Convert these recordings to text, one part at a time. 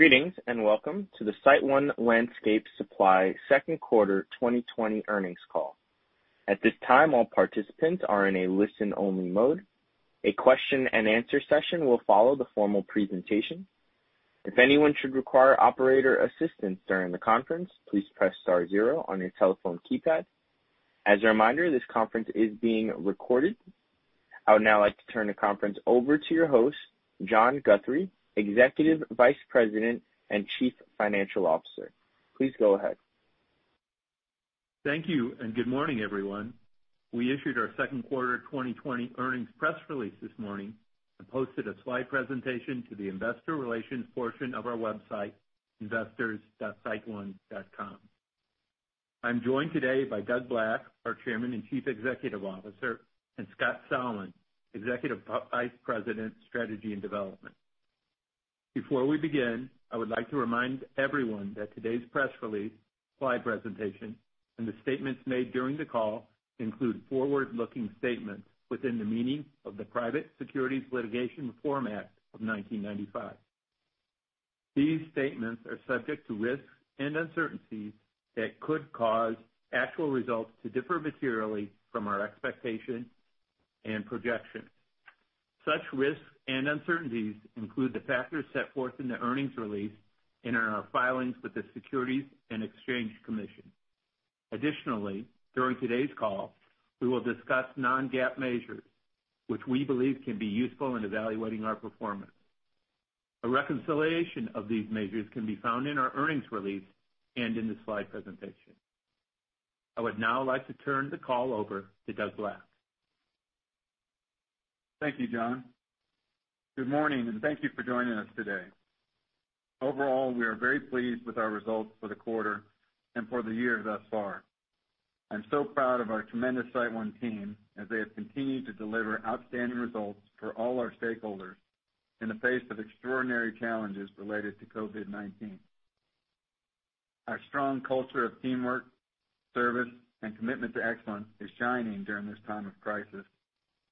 Greetings, and welcome to the SiteOne Landscape Supply second quarter 2020 earnings call. At this time, all participants are in a listen-only mode. A question-and-answer session will follow the formal presentation. If anyone should require operator assistance during the conference, please press star zero on your telephone keypad. As a reminder, this conference is being recorded. I would now like to turn the conference over to your host, John Guthrie, Executive Vice President and Chief Financial Officer. Please go ahead. Thank you, and good morning, everyone. We issued our second quarter 2020 earnings press release this morning and posted a slide presentation to the investor relations portion of our website, investors.Siteone.com. I'm joined today by Doug Black, our Chairman and Chief Executive Officer, and Scott Salmon, Executive Vice President, Strategy and Development. Before we begin, I would like to remind everyone that today's press release, slide presentation, and the statements made during the call include forward-looking statements within the meaning of the Private Securities Litigation Reform Act of 1995. These statements are subject to risks and uncertainties that could cause actual results to differ materially from our expectations and projections. Such risks and uncertainties include the factors set forth in the earnings release and in our filings with the Securities and Exchange Commission. Additionally, during today's call, we will discuss non-GAAP measures, which we believe can be useful in evaluating our performance. A reconciliation of these measures can be found in our earnings release and in the slide presentation. I would now like to turn the call over to Doug Black. Thank you, John. Good morning, and thank you for joining us today. Overall, we are very pleased with our results for the quarter and for the year thus far. I'm so proud of our tremendous SiteOne team, as they have continued to deliver outstanding results for all our stakeholders in the face of extraordinary challenges related to COVID-19. Our strong culture of teamwork, service, and commitment to excellence is shining during this time of crisis,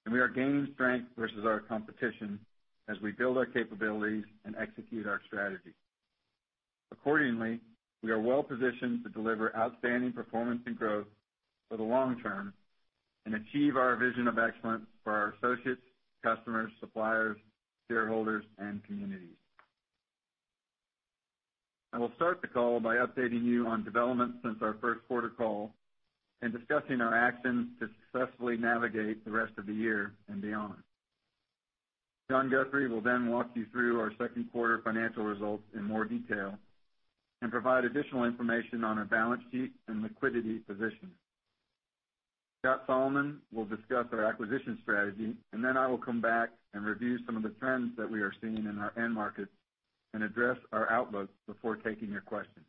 and we are gaining strength versus our competition as we build our capabilities and execute our strategy. Accordingly, we are well positioned to deliver outstanding performance and growth for the long-term and achieve our vision of excellence for our associates, customers, suppliers, shareholders, and communities. I will start the call by updating you on developments since our first quarter call and discussing our actions to successfully navigate the rest of the year and beyond. John Guthrie will then walk you through our second quarter financial results in more detail and provide additional information on our balance sheet and liquidity position. Then I will come back and review some of the trends that we are seeing in our end markets and address our outlooks before taking your questions.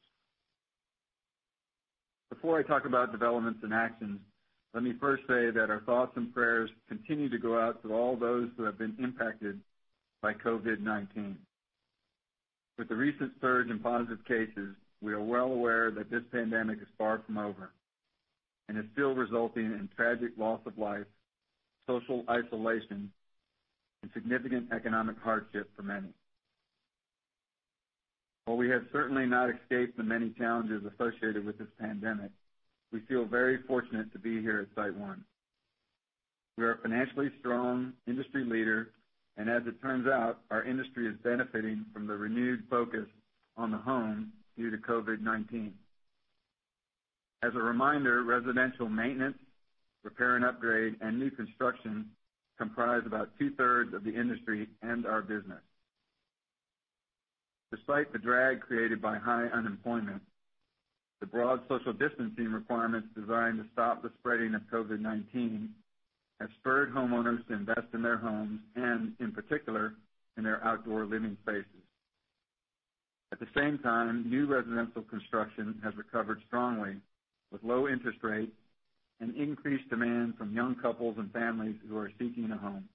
Before I talk about developments and actions, let me first say that our thoughts and prayers continue to go out to all those who have been impacted by COVID-19. With the recent surge in positive cases, we are well aware that this pandemic is far from over and is still resulting in tragic loss of life, social isolation, and significant economic hardship for many. While we have certainly not escaped the many challenges associated with this pandemic, we feel very fortunate to be here at SiteOne. We are a financially strong industry leader, and as it turns out, our industry is benefiting from the renewed focus on the home due to COVID-19. As a reminder, residential maintenance, repair and upgrade, and new construction comprise about two-thirds of the industry and our business. Despite the drag created by high unemployment, the broad social distancing requirements designed to stop the spreading of COVID-19 have spurred homeowners to invest in their homes and, in particular, in their outdoor living spaces. At the same time, new residential construction has recovered strongly with low interest rates and increased demand from young couples and families who are seeking a home.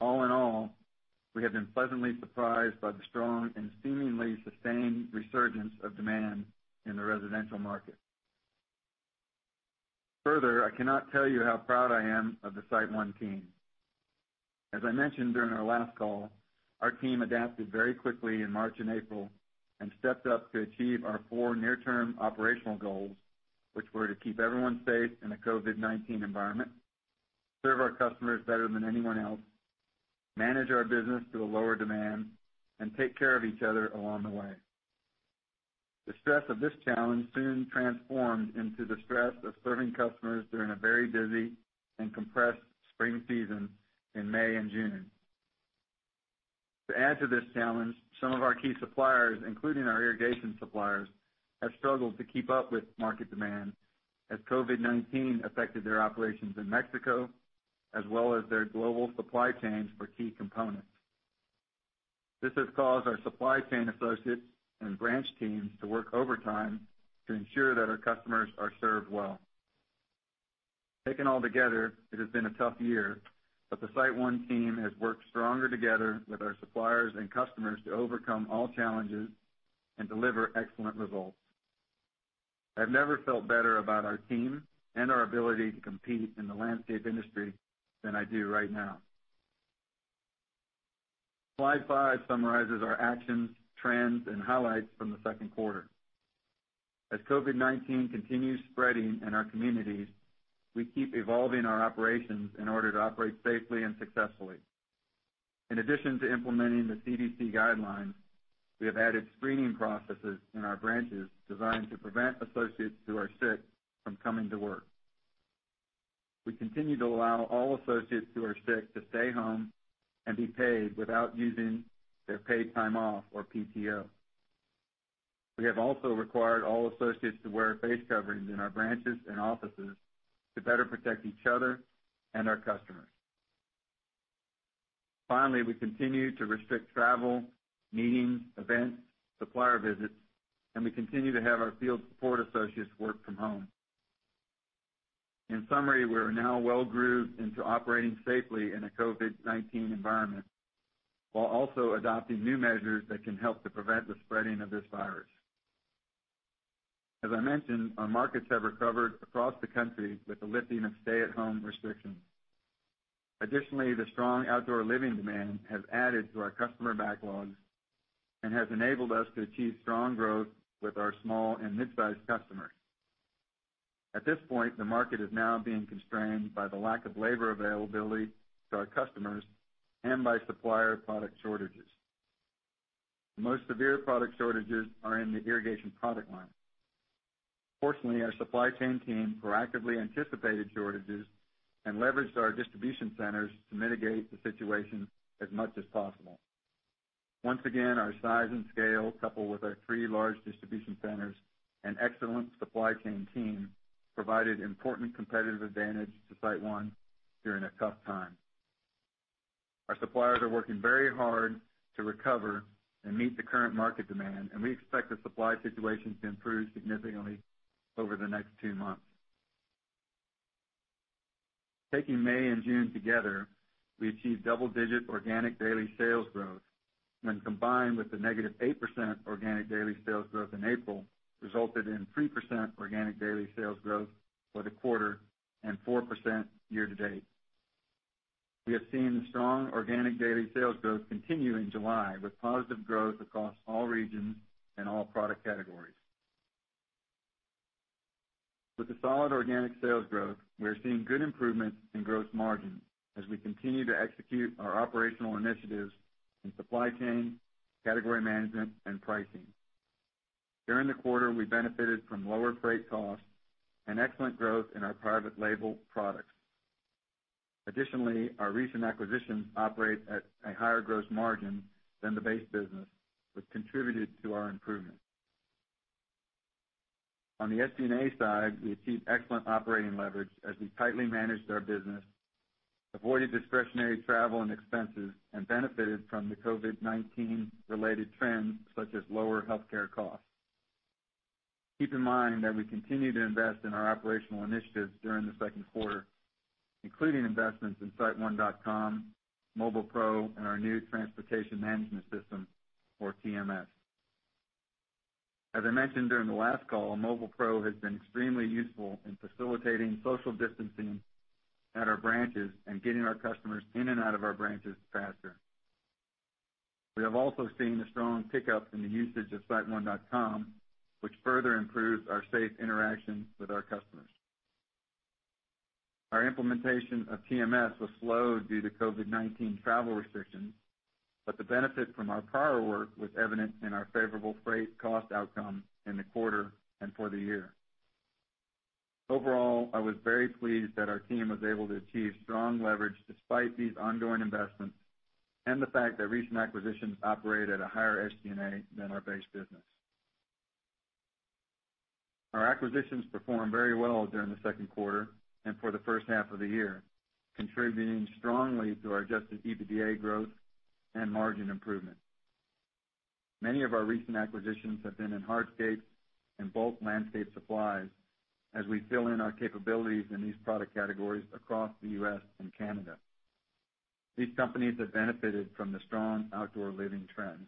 All in all, we have been pleasantly surprised by the strong and seemingly sustained resurgence of demand in the residential market. Further, I cannot tell you how proud I am of the SiteOne team. As I mentioned during our last call, our team adapted very quickly in March and April and stepped up to achieve our four near-term operational goals, which were to keep everyone safe in a COVID-19 environment, serve our customers better than anyone else, manage our business through a lower demand, and take care of each other along the way. The stress of this challenge soon transformed into the stress of serving customers during a very busy and compressed spring season in May and June. To add to this challenge, some of our key suppliers, including our irrigation suppliers, have struggled to keep up with market demand as COVID-19 affected their operations in Mexico, as well as their global supply chains for key components. This has caused our supply chain associates and branch teams to work overtime to ensure that our customers are served well. Taken all together, it has been a tough year, but the SiteOne team has worked stronger together with our suppliers and customers to overcome all challenges and deliver excellent results. I've never felt better about our team and our ability to compete in the landscape industry than I do right now. Slide five summarizes our actions, trends, and highlights from the second quarter. As COVID-19 continues spreading in our communities, we keep evolving our operations in order to operate safely and successfully. In addition to implementing the CDC guidelines, we have added screening processes in our branches designed to prevent associates who are sick from coming to work. We continue to allow all associates who are sick to stay home and be paid without using their paid time off or PTO. We have also required all associates to wear face coverings in our branches and offices to better protect each other and our customers. Finally, we continue to restrict travel, meetings, events, supplier visits, and we continue to have our field support associates work from home. In summary, we are now well-grooved into operating safely in a COVID-19 environment while also adopting new measures that can help to prevent the spreading of this virus. As I mentioned, our markets have recovered across the country with the lifting of stay-at-home restrictions. Additionally, the strong outdoor living demand has added to our customer backlogs and has enabled us to achieve strong growth with our small and mid-sized customers. At this point, the market is now being constrained by the lack of labor availability to our customers and by supplier product shortages. The most severe product shortages are in the irrigation product line. Fortunately, our supply chain team proactively anticipated shortages and leveraged our distribution centers to mitigate the situation as much as possible. Once again, our size and scale, coupled with our three large distribution centers and excellent supply chain team, provided important competitive advantage to SiteOne during a tough time. Our suppliers are working very hard to recover and meet the current market demand, and we expect the supply situation to improve significantly over the next two months. Taking May and June together, we achieved double-digit organic daily sales growth, when combined with the negative 8% organic daily sales growth in April, resulted in 3% organic daily sales growth for the quarter and 4% year-to-date. We have seen the strong organic daily sales growth continue in July, with positive growth across all regions and all product categories. With the solid organic sales growth, we are seeing good improvements in gross margin as we continue to execute our operational initiatives in supply chain, category management, and pricing. During the quarter, we benefited from lower freight costs and excellent growth in our private label products. Additionally, our recent acquisitions operate at a higher gross margin than the base business, which contributed to our improvement. On the SG&A side, we achieved excellent operating leverage as we tightly managed our business, avoided discretionary travel and expenses, and benefited from the COVID-19 related trends such as lower healthcare costs. Keep in mind that we continue to invest in our operational initiatives during the second quarter, including investments in siteone.com, MobilePro, and our new transportation management system or TMS. As I mentioned during the last call, MobilePro has been extremely useful in facilitating social distancing at our branches and getting our customers in and out of our branches faster. We have also seen a strong pickup in the usage of SiteOne.com, which further improves our safe interactions with our customers. Our implementation of TMS was slow due to COVID-19 travel restrictions, but the benefit from our prior work was evident in our favorable freight cost outcome in the quarter and for the year. Overall, I was very pleased that our team was able to achieve strong leverage despite these ongoing investments and the fact that recent acquisitions operate at a higher SG&A than our base business. Our acquisitions performed very well during the second quarter and for the first half of the year, contributing strongly to our adjusted EBITDA growth and margin improvement. Many of our recent acquisitions have been in hardscapes and bulk landscape supplies as we fill in our capabilities in these product categories across the U.S. and Canada. These companies have benefited from the strong outdoor living trend.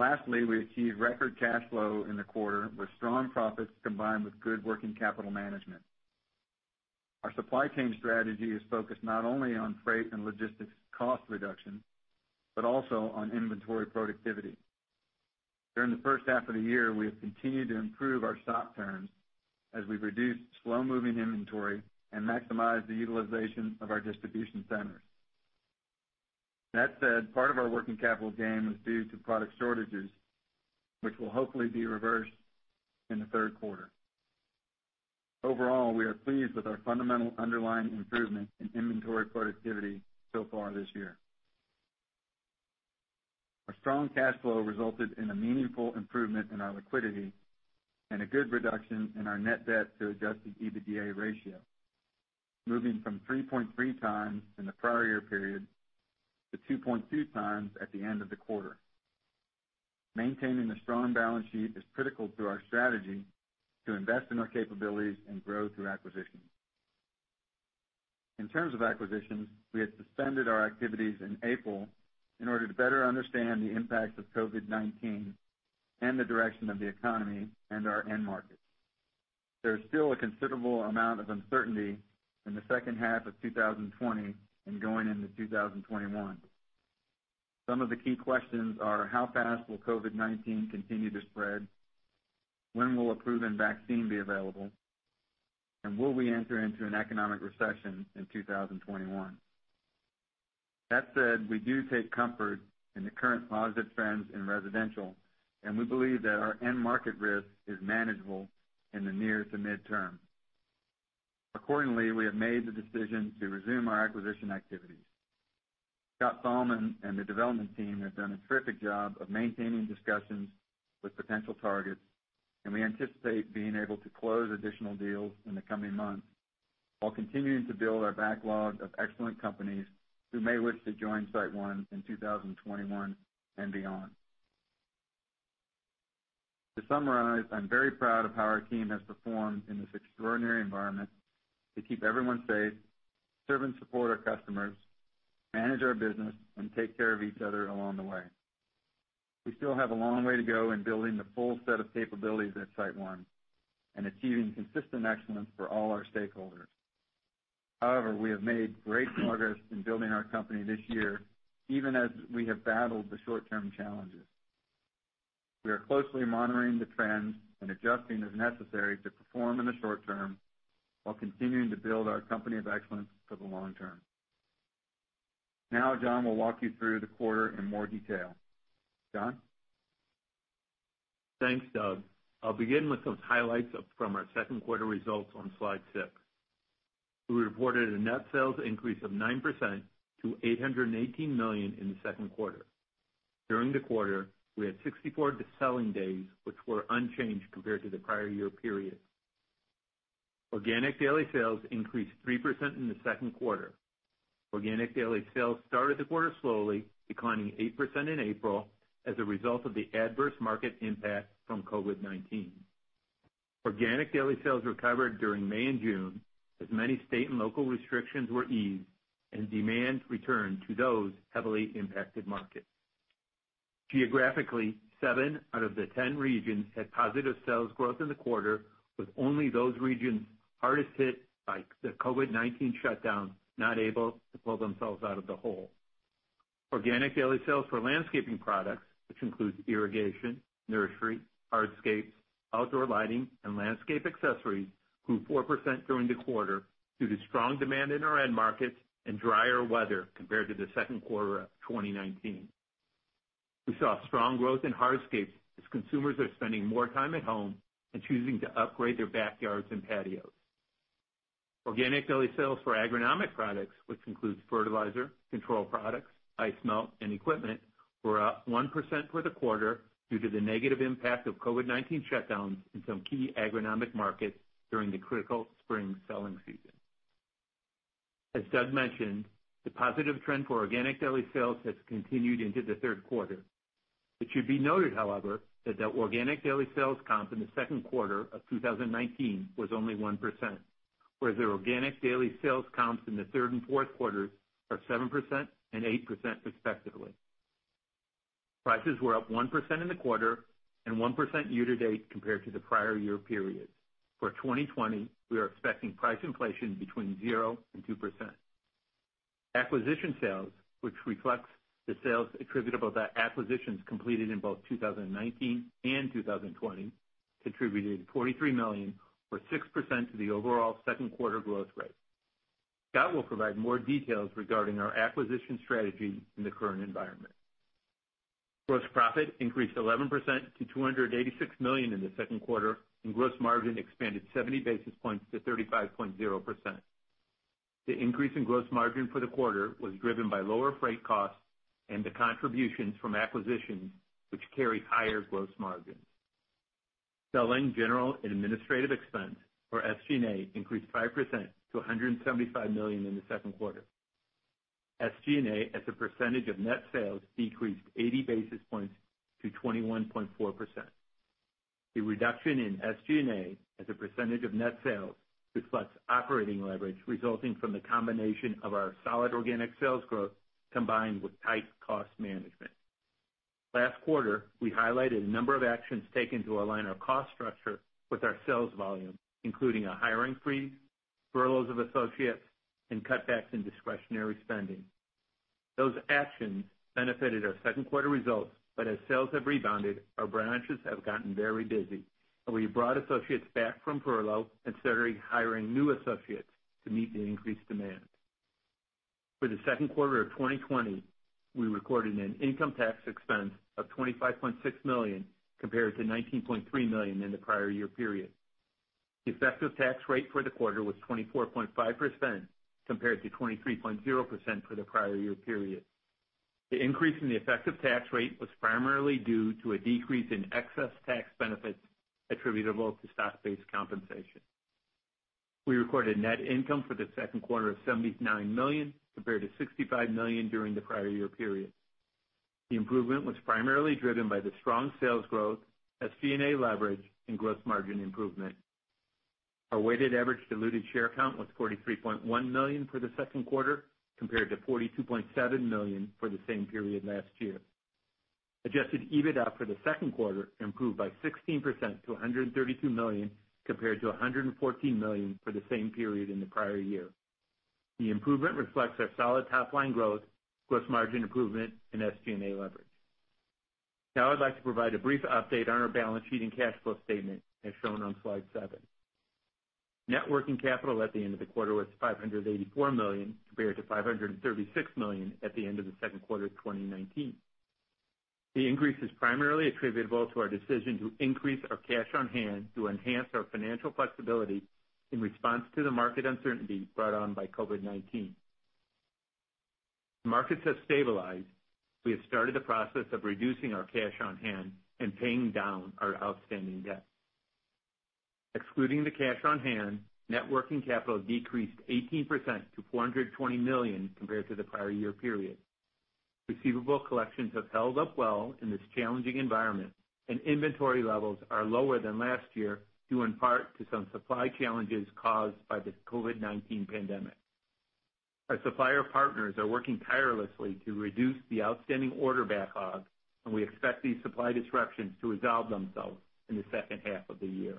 Lastly, we achieved record cash flow in the quarter with strong profits combined with good working capital management. Our supply chain strategy is focused not only on freight and logistics cost reduction, but also on inventory productivity. During the first half of the year, we have continued to improve our stock turns as we've reduced slow-moving inventory and maximized the utilization of our distribution centers. That said, part of our working capital gain was due to product shortages, which will hopefully be reversed in the third quarter. Overall, we are pleased with our fundamental underlying improvement in inventory productivity so far this year. Our strong cash flow resulted in a meaningful improvement in our liquidity and a good reduction in our net debt to adjusted EBITDA ratio, moving from 3.3x in the prior year period to 2.2x at the end of the quarter. Maintaining a strong balance sheet is critical to our strategy to invest in our capabilities and grow through acquisitions. In terms of acquisitions, we had suspended our activities in April in order to better understand the impact of COVID-19 and the direction of the economy and our end market. There is still a considerable amount of uncertainty in the second half of 2020 and going into 2021. Some of the key questions are, how fast will COVID-19 continue to spread? When will a proven vaccine be available? Will we enter into an economic recession in 2021? That said, we do take comfort in the current positive trends in residential, we believe that our end market risk is manageable in the near to midterm. Accordingly, we have made the decision to resume our acquisition activities. Scott Salmon and the development team have done a terrific job of maintaining discussions with potential targets, we anticipate being able to close additional deals in the coming months while continuing to build our backlog of excellent companies who may wish to join SiteOne in 2021 and beyond. To summarize, I'm very proud of how our team has performed in this extraordinary environment to keep everyone safe, serve and support our customers, manage our business, and take care of each other along the way. We still have a long way to go in building the full set of capabilities at SiteOne and achieving consistent excellence for all our stakeholders. We have made great progress in building our company this year, even as we have battled the short-term challenges. We are closely monitoring the trends and adjusting as necessary to perform in the short-term while continuing to build our company of excellence for the long-term. Now, John will walk you through the quarter in more detail. John? Thanks, Doug. I'll begin with some highlights from our second quarter results on slide six. We reported a net sales increase of 9% to $818 million in the second quarter. During the quarter, we had 64 selling days, which were unchanged compared to the prior year period. Organic daily sales increased 3% in the second quarter. Organic daily sales started the quarter slowly, declining 8% in April as a result of the adverse market impact from COVID-19. Organic daily sales recovered during May and June, as many state and local restrictions were eased and demand returned to those heavily impacted markets. Geographically, seven out of the 10 regions had positive sales growth in the quarter, with only those regions hardest hit by the COVID-19 shutdown not able to pull themselves out of the hole. Organic daily sales for landscaping products, which includes irrigation, nursery, hardscapes, outdoor lighting, and landscape accessories, grew 4% during the quarter due to strong demand in our end markets and drier weather compared to the second quarter of 2019. We saw strong growth in hardscape as consumers are spending more time at home and choosing to upgrade their backyards and patios. Organic daily sales for agronomic products, which includes fertilizer, control products, ice melt, and equipment, were up 1% for the quarter due to the negative impact of COVID-19 shutdowns in some key agronomic markets during the critical spring selling season. As Doug mentioned, the positive trend for organic daily sales has continued into the third quarter. It should be noted, however, that the organic daily sales comp in the second quarter of 2019 was only 1%, whereas the organic daily sales comps in the third and fourth quarters are 7% and 8% respectively. Prices were up 1% in the quarter and 1% year-to-date compared to the prior year periods. For 2020, we are expecting price inflation between zero and 2%. Acquisition sales, which reflects the sales attributable to acquisitions completed in both 2019 and 2020, contributed $43 million, or 6%, to the overall second quarter growth rate. Scott will provide more details regarding our acquisition strategy in the current environment. Gross profit increased 11% to $286 million in the second quarter, and gross margin expanded 70 basis points to 35.0%. The increase in gross margin for the quarter was driven by lower freight costs and the contributions from acquisitions, which carry higher gross margins. Selling, general, and administrative expense, or SG&A, increased 5% to $175 million in the second quarter. SG&A, as a percentage of net sales, decreased 80 basis points to 21.4%. The reduction in SG&A as a percentage of net sales reflects operating leverage resulting from the combination of our solid organic sales growth combined with tight cost management. Last quarter, we highlighted a number of actions taken to align our cost structure with our sales volume, including a hiring freeze, furloughs of associates, and cutbacks in discretionary spending. Those actions benefited our second quarter results, but as sales have rebounded, our branches have gotten very busy, and we have brought associates back from furlough and started hiring new associates to meet the increased demand. For the second quarter of 2020, we recorded an income tax expense of $25.6 million, compared to $19.3 million in the prior year period. The effective tax rate for the quarter was 24.5% compared to 23.0% for the prior year period. The increase in the effective tax rate was primarily due to a decrease in excess tax benefits attributable to stock-based compensation. We recorded net income for the second quarter of $79 million, compared to $65 million during the prior year period. The improvement was primarily driven by the strong sales growth, SG&A leverage, and gross margin improvement. Our weighted average diluted share count was 43.1 million for the second quarter, compared to 42.7 million for the same period last year. Adjusted EBITDA for the second quarter improved by 16% to $132 million, compared to $114 million for the same period in the prior year. The improvement reflects our solid top-line growth, gross margin improvement, and SG&A leverage. Now I'd like to provide a brief update on our balance sheet and cash flow statement, as shown on slide 7. Net working capital at the end of the quarter was $584 million, compared to $536 million at the end of the second quarter of 2019. The increase is primarily attributable to our decision to increase our cash on hand to enhance our financial flexibility in response to the market uncertainty brought on by COVID-19. Markets have stabilized. We have started the process of reducing our cash on hand and paying down our outstanding debt. Excluding the cash on hand, net working capital decreased 18% to $420 million compared to the prior year period. Receivable collections have held up well in this challenging environment, and inventory levels are lower than last year, due in part to some supply challenges caused by the COVID-19 pandemic. Our supplier partners are working tirelessly to reduce the outstanding order backlog, and we expect these supply disruptions to resolve themselves in the second half of the year.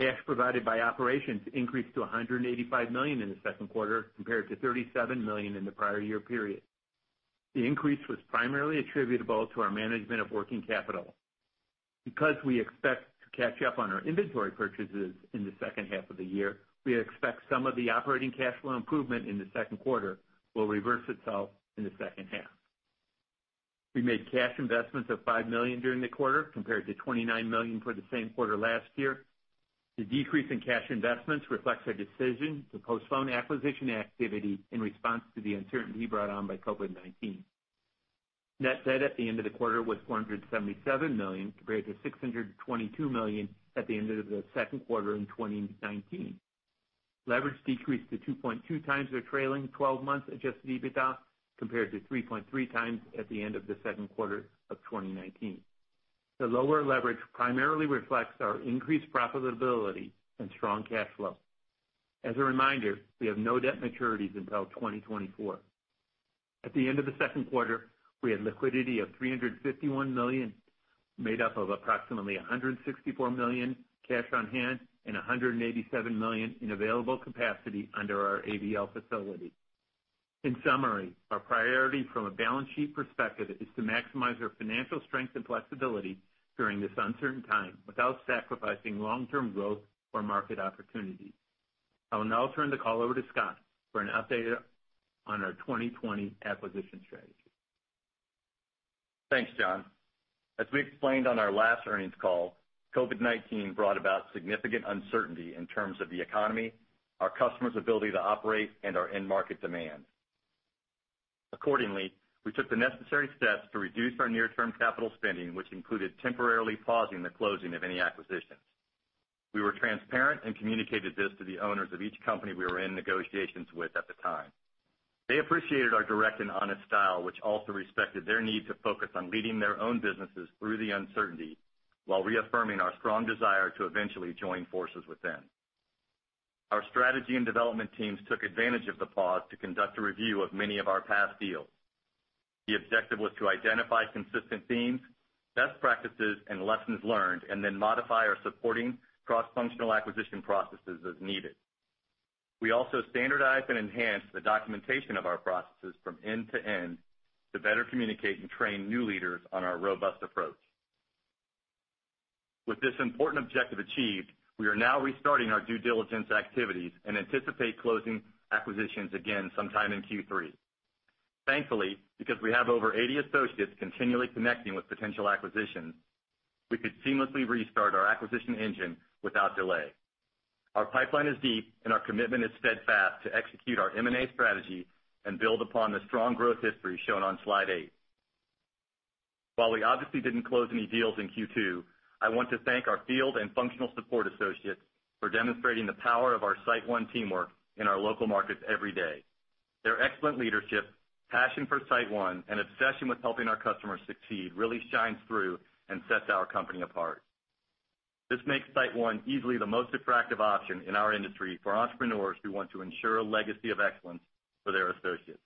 Cash provided by operations increased to $185 million in the second quarter compared to $37 million in the prior year period. The increase was primarily attributable to our management of working capital. Because we expect to catch up on our inventory purchases in the second half of the year, we expect some of the operating cash flow improvement in the second quarter will reverse itself in the second half. We made cash investments of $5 million during the quarter, compared to $29 million for the same quarter last year. The decrease in cash investments reflects our decision to postpone acquisition activity in response to the uncertainty brought on by COVID-19. Net debt at the end of the quarter was $477 million, compared to $622 million at the end of the second quarter in 2019. Leverage decreased to 2.2 times their trailing 12-month adjusted EBITDA, compared to 3.3x at the end of the second quarter of 2019. The lower leverage primarily reflects our increased profitability and strong cash flow. As a reminder, we have no debt maturities until 2024. At the end of the second quarter, we had liquidity of $351 million, made up of approximately $164 million cash on hand and $187 million in available capacity under our ABL facility. Our priority from a balance sheet perspective is to maximize our financial strength and flexibility during this uncertain time without sacrificing long-term growth or market opportunity. I will now turn the call over to Scott for an update on our 2020 acquisition strategy. Thanks, John. As we explained on our last earnings call, COVID-19 brought about significant uncertainty in terms of the economy, our customers' ability to operate, and our end market demand. Accordingly, we took the necessary steps to reduce our near-term capital spending, which included temporarily pausing the closing of any acquisitions. We were transparent and communicated this to the owners of each company we were in negotiations with at the time. They appreciated our direct and honest style, which also respected their need to focus on leading their own businesses through the uncertainty while reaffirming our strong desire to eventually join forces with them. Our strategy and development teams took advantage of the pause to conduct a review of many of our past deals. The objective was to identify consistent themes, best practices, and lessons learned, and then modify our supporting cross-functional acquisition processes as needed. We also standardized and enhanced the documentation of our processes from end to end to better communicate and train new leaders on our robust approach. With this important objective achieved, we are now restarting our due diligence activities and anticipate closing acquisitions again sometime in Q3. Thankfully, because we have over 80 associates continually connecting with potential acquisitions, we could seamlessly restart our acquisition engine without delay. Our pipeline is deep, and our commitment is steadfast to execute our M&A strategy and build upon the strong growth history shown on slide eight. While we obviously didn't close any deals in Q2, I want to thank our field and functional support associates for demonstrating the power of our SiteOne teamwork in our local markets every day. Their excellent leadership, passion for SiteOne, and obsession with helping our customers succeed really shines through and sets our company apart. This makes SiteOne easily the most attractive option in our industry for entrepreneurs who want to ensure a legacy of excellence for their associates.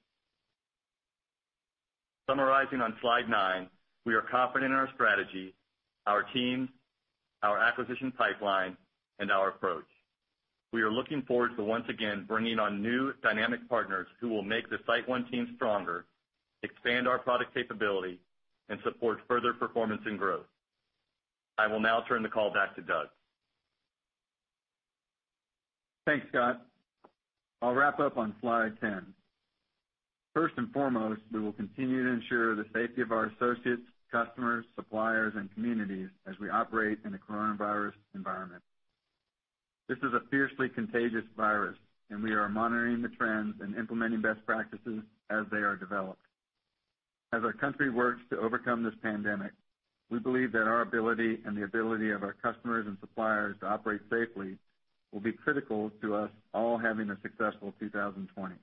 Summarizing on slide nine, we are confident in our strategy, our team, our acquisition pipeline, and our approach. We are looking forward to once again bringing on new dynamic partners who will make the SiteOne team stronger, expand our product capability, and support further performance and growth. I will now turn the call back to Doug. Thanks, Scott. I'll wrap up on slide 10. First and foremost, we will continue to ensure the safety of our associates, customers, suppliers, and communities as we operate in the coronavirus environment. This is a fiercely contagious virus, and we are monitoring the trends and implementing best practices as they are developed. As our country works to overcome this pandemic. We believe that our ability and the ability of our customers and suppliers to operate safely will be critical to us all having a successful 2020.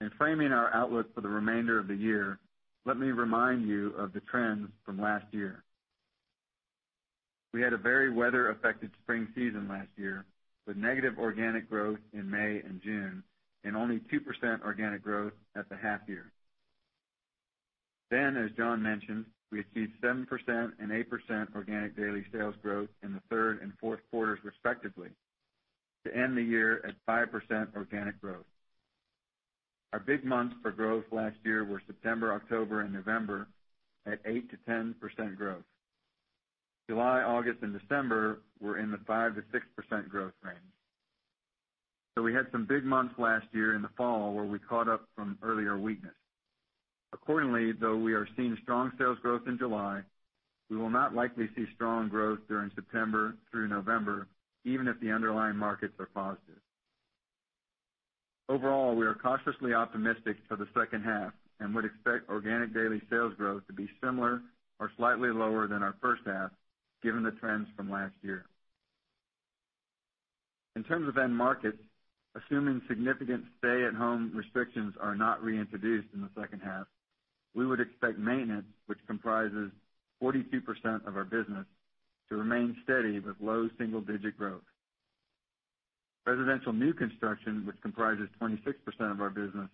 In framing our outlook for the remainder of the year, let me remind you of the trends from last year. We had a very weather-affected spring season last year, with negative organic growth in May and June, and only 2% organic growth at the half year. As John mentioned, we achieved 7% and 8% organic daily sales growth in the third and fourth quarters respectively, to end the year at 5% organic growth. Our big months for growth last year were September, October, and November, at 8%-10% growth. July, August, and December were in the 5%-6% growth range. We had some big months last year in the fall where we caught up from earlier weakness. Accordingly, though we are seeing strong sales growth in July, we will not likely see strong growth during September through November, even if the underlying markets are positive. Overall, we are cautiously optimistic for the second half and would expect organic daily sales growth to be similar or slightly lower than our first half, given the trends from last year. In terms of end markets, assuming significant stay-at-home restrictions are not reintroduced in the second half, we would expect maintenance, which comprises 42% of our business, to remain steady with low single-digit growth. Residential new construction, which comprises 26% of our business,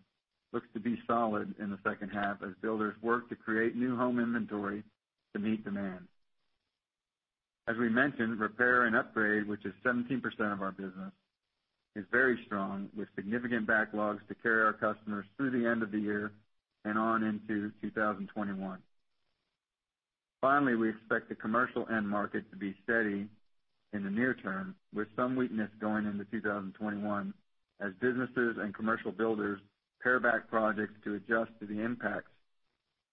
looks to be solid in the second half as builders work to create new home inventory to meet demand. As we mentioned, repair and upgrade, which is 17% of our business, is very strong, with significant backlogs to carry our customers through the end of the year and on into 2021. Finally, we expect the commercial end market to be steady in the near-term, with some weakness going into 2021 as businesses and commercial builders pare back projects to adjust to the impacts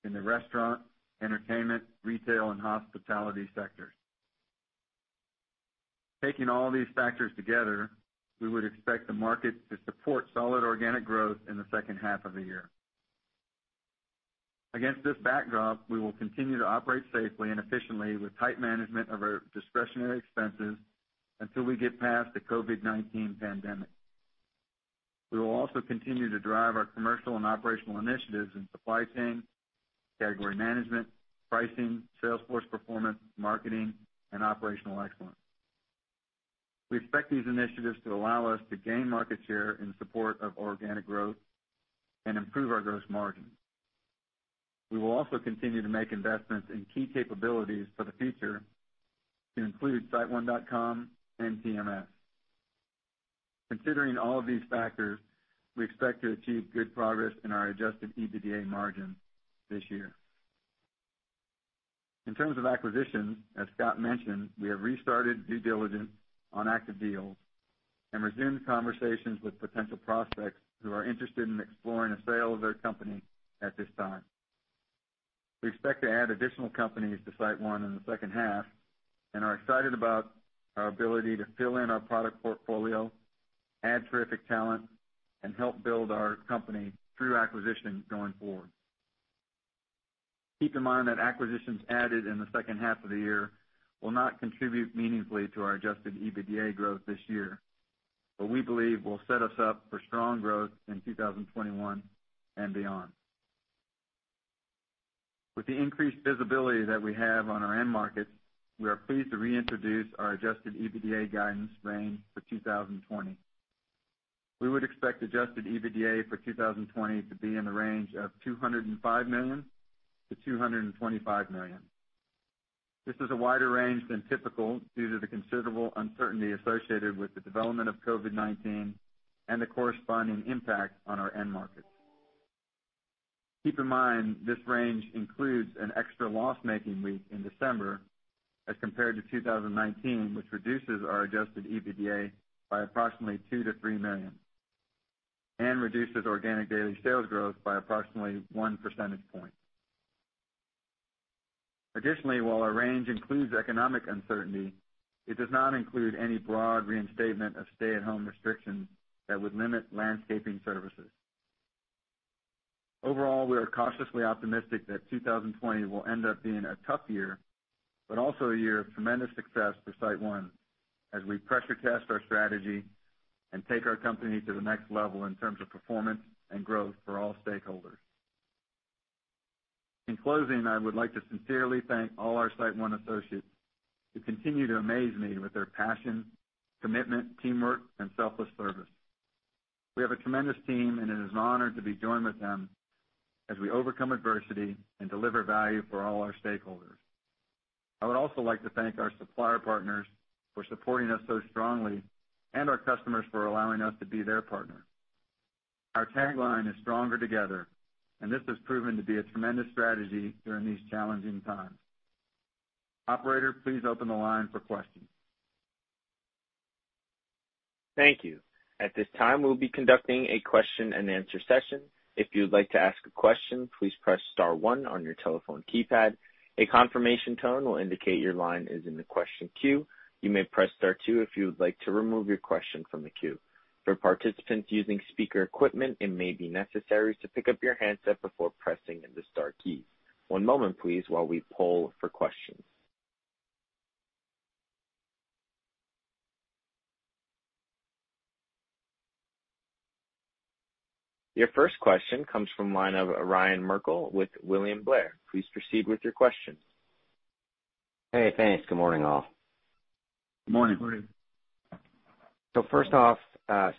in the restaurant, entertainment, retail, and hospitality sectors. Taking all these factors together, we would expect the market to support solid organic growth in the second half of the year. Against this backdrop, we will continue to operate safely and efficiently with tight management of our discretionary expenses until we get past the COVID-19 pandemic. We will also continue to drive our commercial and operational initiatives in supply chain, category management, pricing, sales force performance, marketing, and operational excellence. We expect these initiatives to allow us to gain market share in support of organic growth and improve our gross margin. We will also continue to make investments in key capabilities for the future to include SiteOne.com and TMS. Considering all of these factors, we expect to achieve good progress in our adjusted EBITDA margin this year. In terms of acquisitions, as Scott mentioned, we have restarted due diligence on active deals and resumed conversations with potential prospects who are interested in exploring a sale of their company at this time. We expect to add additional companies to SiteOne in the second half and are excited about our ability to fill in our product portfolio, add terrific talent, and help build our company through acquisition going forward. Keep in mind that acquisitions added in the second half of the year will not contribute meaningfully to our adjusted EBITDA growth this year, but we believe will set us up for strong growth in 2021 and beyond. With the increased visibility that we have on our end markets, we are pleased to reintroduce our adjusted EBITDA guidance range for 2020. We would expect adjusted EBITDA for 2020 to be in the range of $205 million-$225 million. This is a wider range than typical due to the considerable uncertainty associated with the development of COVID-19 and the corresponding impact on our end markets. Keep in mind, this range includes an extra loss-making week in December as compared to 2019, which reduces our adjusted EBITDA by approximately $2 million-$3 million and reduces organic daily sales growth by approximately one percentage point. Additionally, while our range includes economic uncertainty, it does not include any broad reinstatement of stay-at-home restrictions that would limit landscaping services. Overall, we are cautiously optimistic that 2020 will end up being a tough year, but also a year of tremendous success for SiteOne as we pressure test our strategy and take our company to the next level in terms of performance and growth for all stakeholders. In closing, I would like to sincerely thank all our SiteOne associates, who continue to amaze me with their passion, commitment, teamwork, and selfless service. We have a tremendous team, and it is an honor to be joined with them as we overcome adversity and deliver value for all our stakeholders. I would also like to thank our supplier partners for supporting us so strongly and our customers for allowing us to be their partner. Our tagline is "Stronger Together," and this has proven to be a tremendous strategy during these challenging times. Operator, please open the line for questions. Thank you. At this time, we'll be conducting a question-and-answer session. If you would like to ask a question, please press star one on your telephone keypad. A confirmation tone will indicate your line is in the question queue. You may press star two if you would like to remove your question from the queue. For participants using speaker equipment, it may be necessary to pick up your handset before pressing the star key. One moment please while we poll for questions. Your first question comes from line of Ryan Merkel with William Blair. Please proceed with your question. Hey, thanks. Good morning, all. Good morning. Good morning. First off,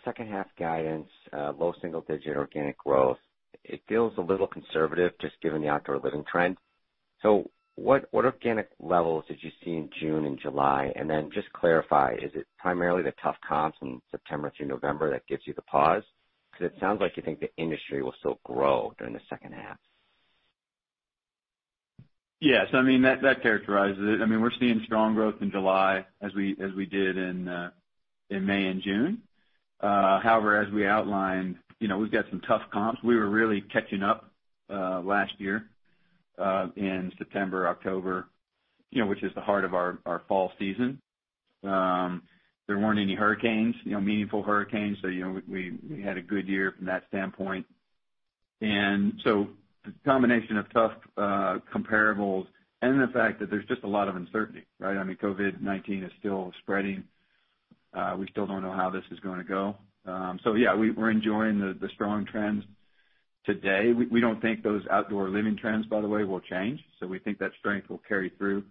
second half guidance, low single digit organic growth. It feels a little conservative just given the outdoor living trend. What organic levels did you see in June and July? Just clarify, is it primarily the tough comps from September through November that gives you the pause? It sounds like you think the industry will still grow during the second half. That characterizes it. We're seeing strong growth in July as we did in May and June. As we outlined, we've got some tough comps. We were really catching up last year in September, October, which is the heart of our fall season. There weren't any meaningful hurricanes. We had a good year from that standpoint. The combination of tough comparables and the fact that there's just a lot of uncertainty, right? COVID-19 is still spreading. We still don't know how this is going to go. Yeah, we're enjoying thestrong trends today. We don't think those outdoor living trends, by the way, will change. We think that strength will carry through.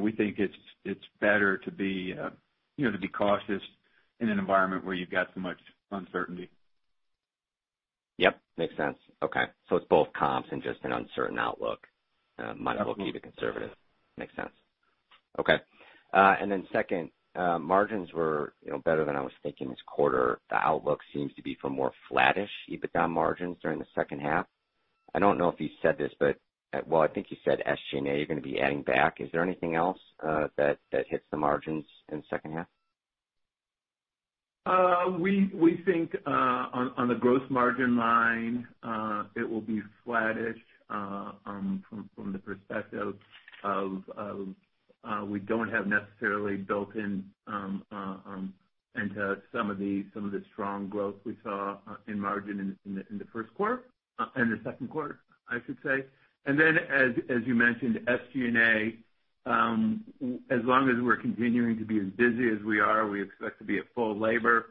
We think it's better to be cautious in an environment where you've got so much uncertainty. Yep, makes sense. Okay. It's both comps and just an uncertain outlook. Definitely. Might as well keep it conservative. Makes sense. Okay. Second, margins were better than I was thinking this quarter. The outlook seems to be for more flattish EBITDA margins during the second half. I don't know if you said this. Well, I think you said SG&A, you're going to be adding back. Is there anything else that hits the margins in the second half? We think on the gross margin line, it will be flattish from the perspective of, we don't have necessarily built in into some of the strong growth we saw in margin in the first quarter, in the second quarter, I should say. As you mentioned, SG&A, as long as we're continuing to be as busy as we are, we expect to be at full labor.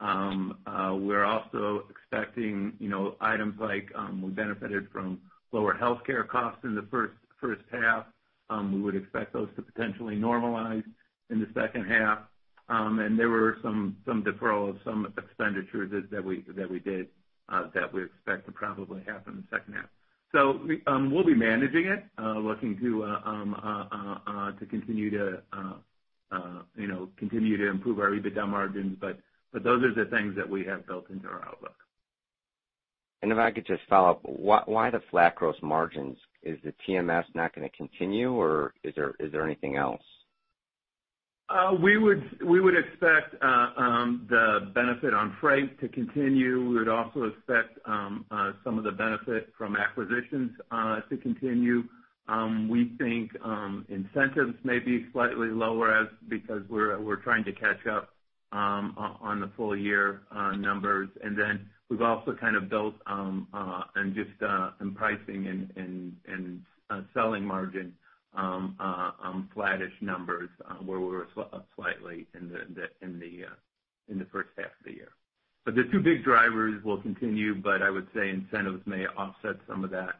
We're also expecting items like, we benefited from lower healthcare costs in the first half. We would expect those to potentially normalize in the second half. There were some deferral of some expenditures that we did, that we expect to probably happen in the second half. We'll be managing it, looking to continue to improve our EBITDA margins, but those are the things that we have built into our outlook. If I could just follow up, why the flat gross margins? Is the TMS not going to continue or is there anything else? We would expect the benefit on freight to continue. We would also expect some of the benefit from acquisitions to continue. We think incentives may be slightly lower as because we're trying to catch up on the full-year numbers. Then we've also built, and just in pricing and selling margin, on flattish numbers where we're up slightly in the first half of the year. The two big drivers will continue, but I would say incentives may offset some of that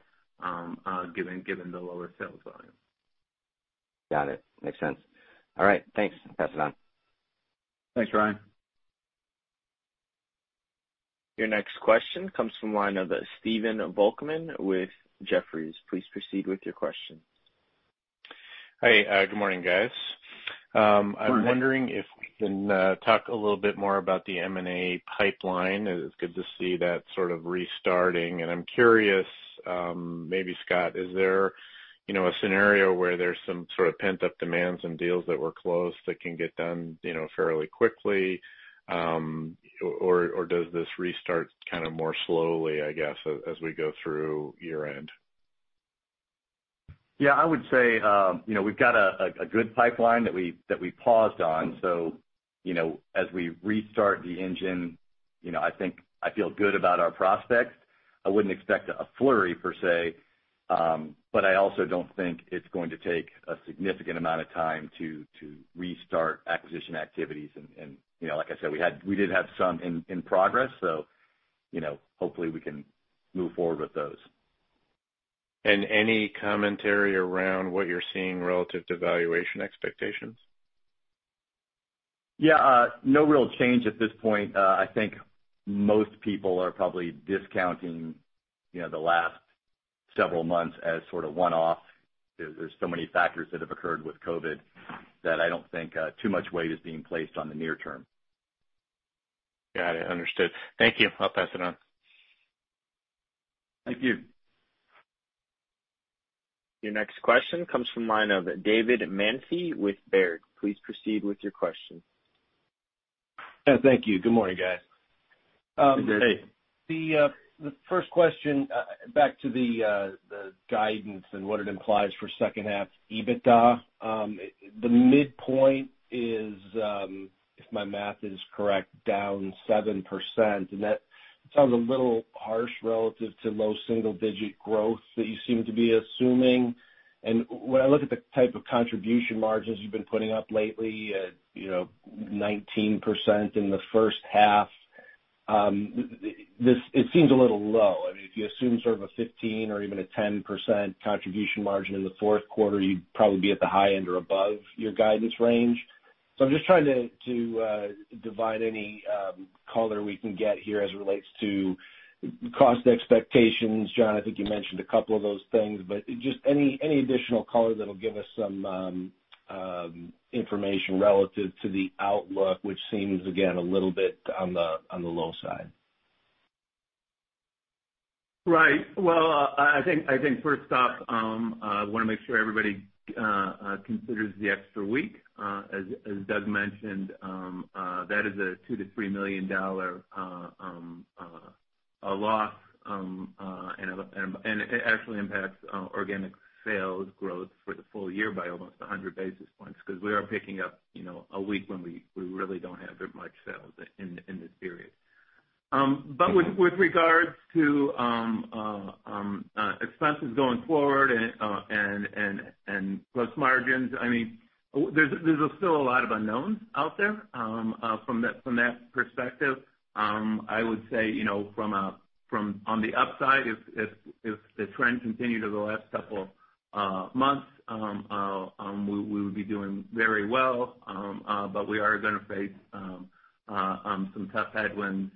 given the lower sales volume. Got it. Makes sense. All right. Thanks. Pass it on. Thanks, Ryan. Your next question comes from line of Stephen Volkmann with Jefferies. Please proceed with your question. Hi, good morning, guys. Good morning. I'm wondering if we can talk a little bit more about the M&A pipeline. It's good to see that sort of restarting. I'm curious, maybe Scott, is there a scenario where there's some sort of pent-up demands and deals that were closed that can get done fairly quickly? Does this restart kind of more slowly, I guess, as we go through year end? Yeah, I would say we've got a good pipeline that we paused on. As we restart the engine, I feel good about our prospects. I wouldn't expect a flurry per se. I also don't think it's going to take a significant amount of time to restart acquisition activities. Like I said, we did have some in progress, hopefully we can move forward with those. Any commentary around what you're seeing relative to valuation expectations? Yeah. No real change at this point. I think most people are probably discounting the last several months as sort of one-off. There is so many factors that have occurred with COVID that I don't think too much weight is being placed on the near-term. Got it. Understood. Thank you. I'll pass it on. Thank you. Your next question comes from line of David Manthey with Baird. Please proceed with your question. Thank you. Good morning, guys. Hey, Dave. The first question, back to the guidance and what it implies for second half EBITDA. The midpoint is, if my math is correct, down 7%, That sounds a little harsh relative to low single-digit growth that you seem to be assuming. When I look at the type of contribution margins you've been putting up lately, 19% in the first half, it seems a little low. If you assume sort of a 15% or even a 10% contribution margin in the fourth quarter, you'd probably be at the high end or above your guidance range. I'm just trying to provide any color we can get here as it relates to cost expectations. John, I think you mentioned a couple of those things, Just any additional color that'll give us some information relative to the outlook, which seems, again, a little bit on the low side. Right. Well, I think first off, I want to make sure everybody considers the extra week. As Doug mentioned, that is a $2 million-$3 million loss, and it actually impacts organic sales growth for the full-year by almost 100 basis points because we are picking up a week when we really don't have that much sales in this period. With regards to expenses going forward and plus margins, there's still a lot of unknowns out there from that perspective. I would say, on the upside, if the trend continued of the last couple months, we would be doing very well. We are going to face some tough headwinds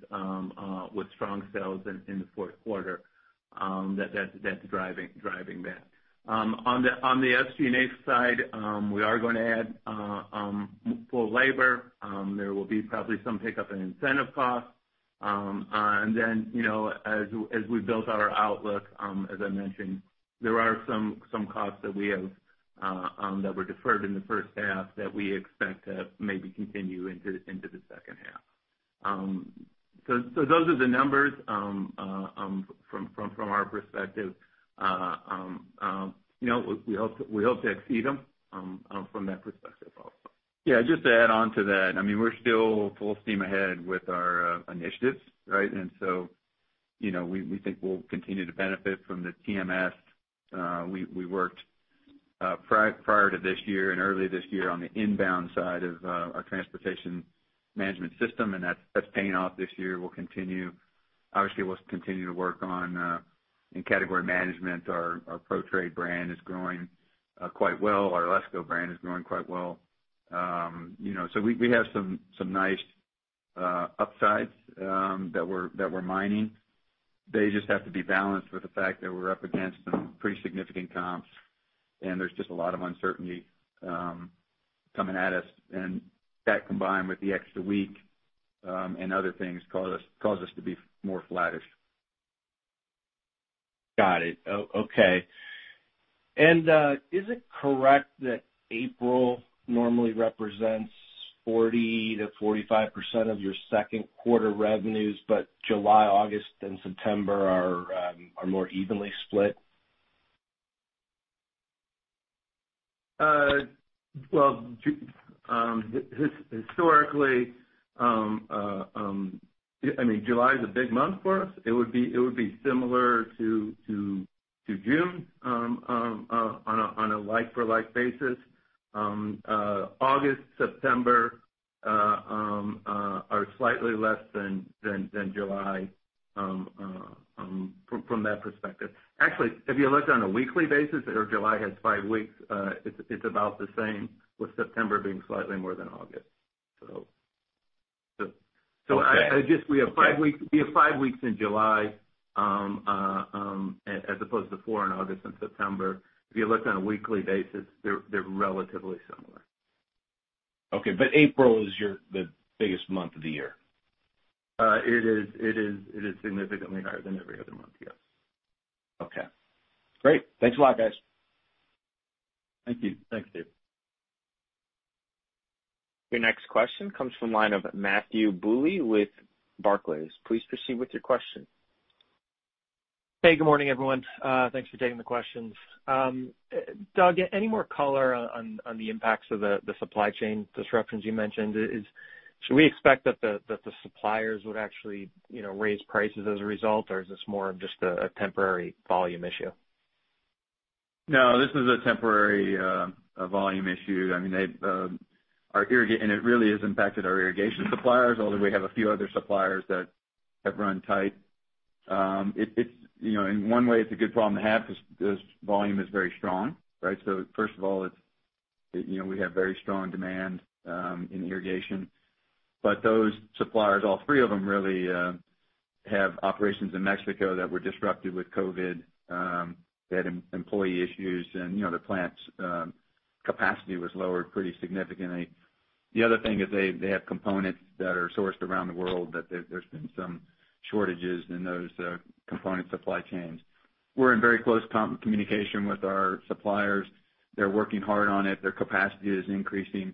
with strong sales in the fourth quarter that's driving that. On the SG&A side, we are going to add full labor. There will be probably some pickup in incentive costs. As we built out our outlook, as I mentioned, there are some costs that were deferred in the first half that we expect to maybe continue into the second half. Those are the numbers from our perspective. We hope to exceed them from that perspective also. Yeah, just to add on to that, we're still full steam ahead with our initiatives, right? We think we'll continue to benefit from the TMS. We worked prior to this year and early this year on the inbound side of our transportation management system, and that's paying off this year. We'll continue. Obviously, we'll continue to work on in category management. Our Pro-Trade brand is growing quite well. Our LESCO brand is growing quite well. We have some nice upsides that we're mining. They just have to be balanced with the fact that we're up against some pretty significant comps, and there's just a lot of uncertainty coming at us. That combined with the extra week and other things caused us to be more flattish. Got it. Okay. Is it correct that April normally represents 40%-45% of your second quarter revenues, but July, August, and September are more evenly split? Well, historically, July is a big month for us. It would be similar to June on alike-for-like basis. August, September are slightly less than July from that perspective. Actually, if you looked on a weekly basis, July has five weeks. It's about the same, with September being slightly more than August. Okay. We have five weeks in July, as opposed to four in August and September. If you look on a weekly basis, they're relatively similar. Okay. April is the biggest month of the year? It is significantly higher than every other month, yes. Okay. Great. Thanks a lot, guys. Thank you. Thanks, Dave. Your next question comes from the line of Matthew Bouley with Barclays. Please proceed with your question. Hey, good morning, everyone. Thanks for taking the questions. Doug, any more color on the impacts of the supply chain disruptions you mentioned? Should we expect that the suppliers would actually raise prices as a result, or is this more of just a temporary volume issue? No, this is a temporary volume issue. It really has impacted our irrigation suppliers, although we have a few other suppliers that have run tight. In one way, it's a good problem to have because volume is very strong, right? First of all, we have very strong demand in irrigation. Those suppliers, all three of them really, have operations in Mexico that were disrupted with COVID-19. They had employee issues, and the plant's capacity was lowered pretty significantly. The other thing is they have components that are sourced around the world that there's been some shortages in those component supply chains. We're in very close communication with our suppliers They're working hard on it. Their capacity is increasing,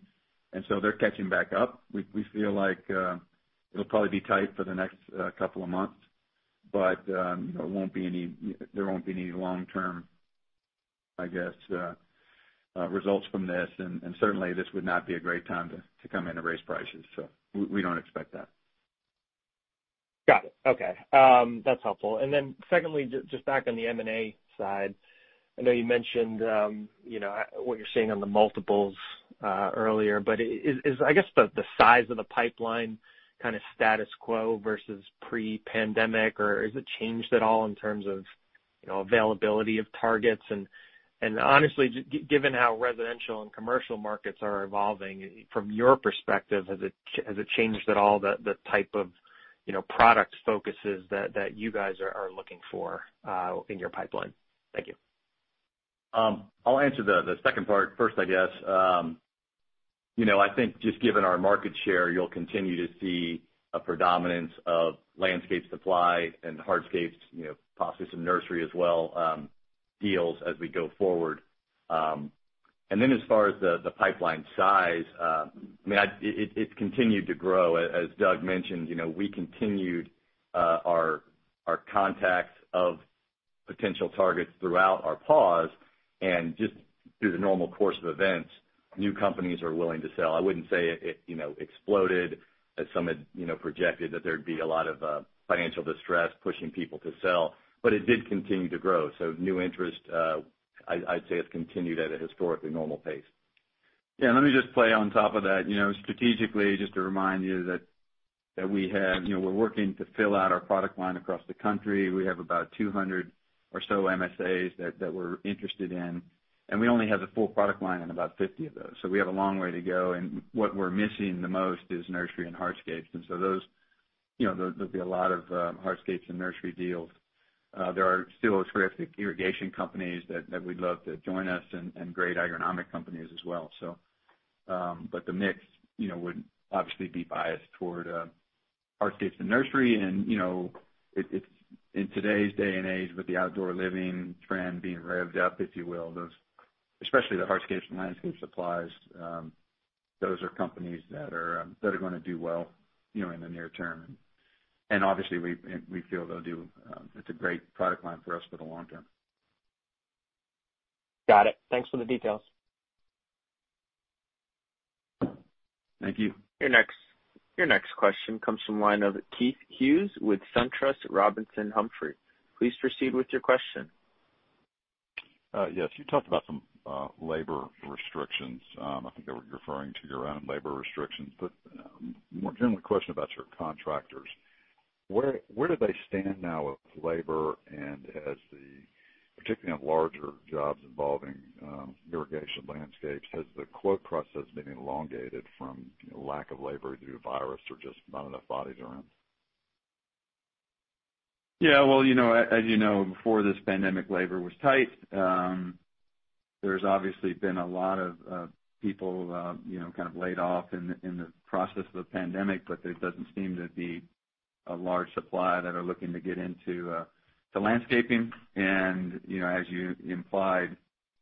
and so they're catching back up. We feel like it'll probably be tight for the next couple of months, but there won't be any long-term, I guess, results from this. Certainly, this would not be a great time to come in to raise prices. We don't expect that. Got it. Okay. That's helpful. Secondly, just back on the M&A side, I know you mentioned what you're seeing on the multiples earlier, but is, I guess, the size of the pipeline kind of status quo versus pre-pandemic, or has it changed at all in terms of availability of targets? Honestly, given how residential and commercial markets are evolving, from your perspective, has it changed at all the type of product focuses that you guys are looking for in your pipeline? Thank you. I'll answer the second part first, I guess. I think just given our market share, you'll continue to see a predominance of landscape supply and hardscapes, possibly some nursery as well, deals as we go forward. As far as the pipeline size, it's continued to grow. As Doug mentioned, we continued our contacts of potential targets throughout our pause and just through the normal course of events, new companies are willing to sell. I wouldn't say it exploded as some had projected that there'd be a lot of financial distress pushing people to sell, but it did continue to grow. New interest, I'd say, has continued at a historically normal pace. Yeah, let me just play on top of that. Strategically, just to remind you that we're working to fill out our product line across the country. We have about 200 or so MSAs that we're interested in, and we only have a full product line in about 50 of those. We have a long way to go, and what we're missing the most is nursery and hardscapes. There'll be a lot of hardscapes and nursery deals. There are still terrific irrigation companies that we'd love to join us and great agronomic companies as well. The mix would obviously be biased toward hardscapes and nursery, and in today's day and age, with the outdoor living trend being revved up, if you will, especially the hardscapes and landscape supplies, those are companies that are going to do well in the near-term. Obviously, we feel it's a great product line for us for the long-term. Got it. Thanks for the details. Thank you. Your next question comes from line of Keith Hughes with SunTrust Robinson Humphrey. Please proceed with your question. Yes. You talked about some labor restrictions. I think they were referring to your own labor restrictions, but more generally, question about your contractors. Where do they stand now with labor and particularly on larger jobs involving irrigation landscapes, has the quote process been elongated from lack of labor due to virus or just not enough bodies around? Yeah. Well, as you know, before this pandemic, labor was tight. There's obviously been a lot of people laid off in the process of the pandemic, there doesn't seem to be a large supply that are looking to get into landscaping. As you implied,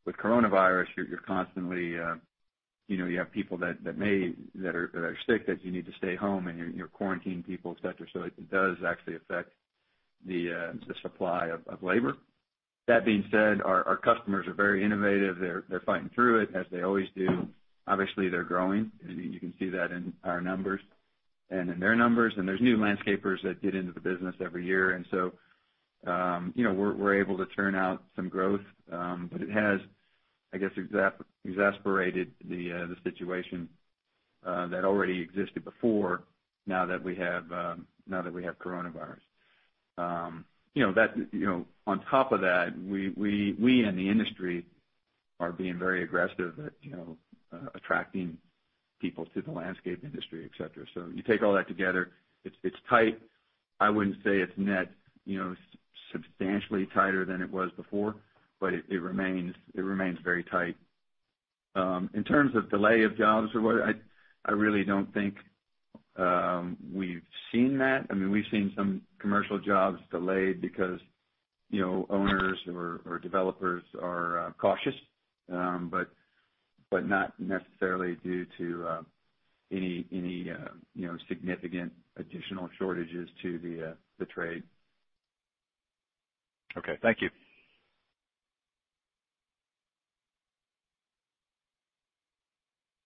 with coronavirus, you have people that are sick, that you need to stay home, and you're quarantining people, et cetera. It does actually affect the supply of labor. That being said, our customers are very innovative. They're fighting through it as they always do. Obviously, they're growing, and you can see that in our numbers and in their numbers, and there's new landscapers that get into the business every year. We're able to turn out some growth. It has, I guess, exacerbated the situation that already existed before now that we have coronavirus. On top of that, we in the industry are being very aggressive at attracting people to the landscape industry, et cetera. You take all that together, it's tight. I wouldn't say it's net substantially tighter than it was before, but it remains very tight. In terms of delay of jobs or what, I really don't think we've seen that. We've seen some commercial jobs delayed because owners or developers are cautious, but not necessarily due to any significant additional shortages to the trade. Okay. Thank you.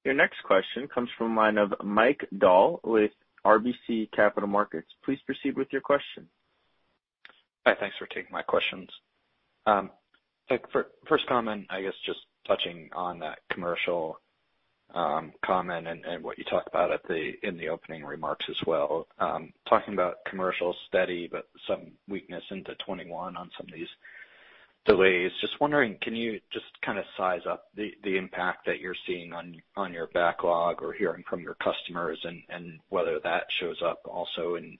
Your next question comes from line of Mike Dahl with RBC Capital Markets. Please proceed with your question. Hi. Thanks for taking my questions. First comment, I guess, just touching on that commercial comment and what you talked about in the opening remarks as well. Talking about commercial steady, but some weakness into 2021 on some of these delays. Just wondering, can you just size up the impact that you're seeing on your backlog or hearing from your customers and whether that shows up also in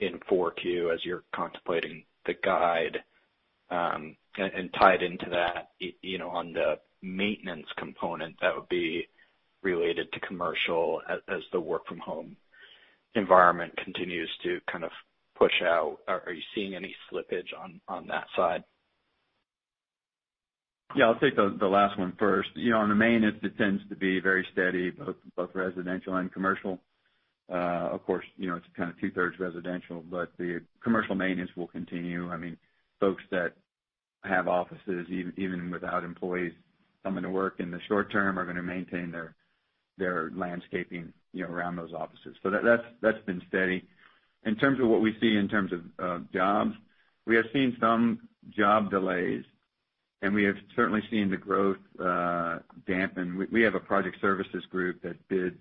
Q4 as you're contemplating the guide? Tied into that, on the maintenance component that would be related to commercial as the work from home environment continues to kind of push out. Are you seeing any slippage on that side? Yeah, I'll take the last one first. On the main, it tends to be very steady, both residential and commercial. Of course, it's kind of two-thirds residential, but the commercial maintenance will continue. Folks that have offices, even without employees coming to work in the short-term, are going to maintain their landscaping around those offices. That's been steady. In terms of what we see in terms of jobs, we have seen some job delays, and we have certainly seen the growth dampen. We have a project services group that bids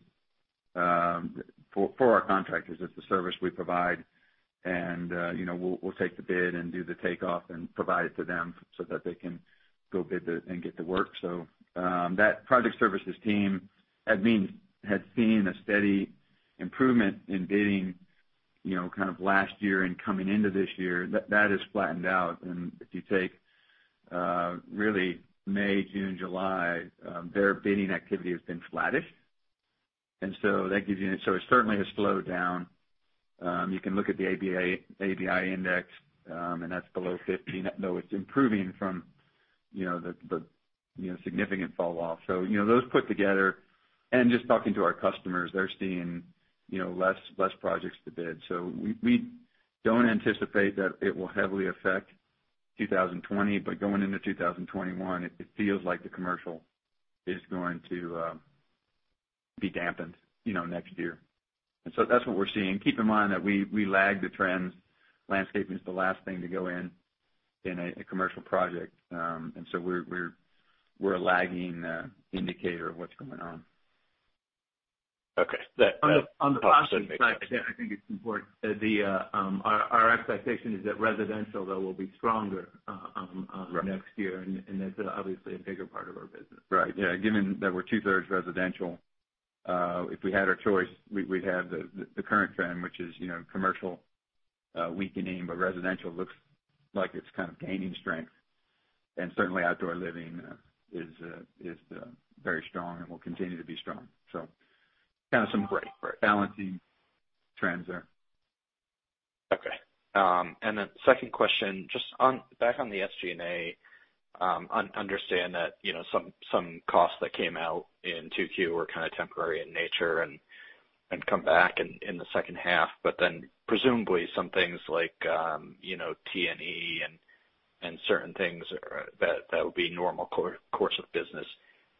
for our contractors. It's a service we provide, and we'll take the bid and do the takeoff and provide it to them so that they can go bid and get to work. That project services team had seen a steady improvement in bidding kind of last year and coming into this year. That has flattened out. If you take really May, June, July, their bidding activity has been flattish. It certainly has slowed down. You can look at the ABI index. That's below 15, though it's improving from the significant fall-off. Those put together. Just talking to our customers, they're seeing less projects to bid. We don't anticipate that it will heavily affect 2020. Going into 2021, it feels like the commercial is going to be dampened next year. That's what we're seeing. Keep in mind that we lag the trends. Landscaping is the last thing to go in in a commercial project. We're a lagging indicator of what's going on. Okay. On the positive side, I think it's important. Our expectation is that residential, though, will be stronger- Right. Next year, that's obviously a bigger part of our business. Right. Yeah, given that we're two-thirds residential, if we had our choice, we'd have the current trend, which is commercial weakening, but residential looks like it's kind of gaining strength. Certainly outdoor living is very strong and will continue to be strong. Great. Right. balancing trends there. Okay. Second question, just back on the SG&A. Understand that some costs that came out in Q2 were kind of temporary in nature and come back in the second half, presumably some things like T&E and certain things that would be normal course of business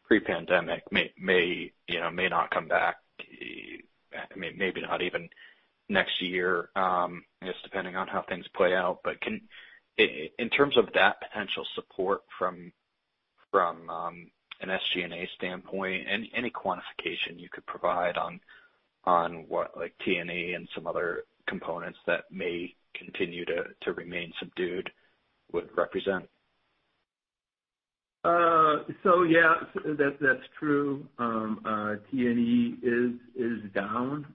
pre-pandemic may not come back, maybe not even next year, just depending on how things play out. In terms of that potential support from an SG&A standpoint, any quantification you could provide on what like T&E and some other components that may continue to remain subdued would represent? Yeah, that's true. T&E is down